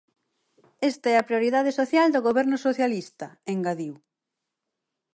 Esta é a prioridade social do Goberno socialista, engadiu.